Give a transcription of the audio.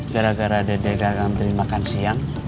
gara gara dedek agak ngamteri makan siang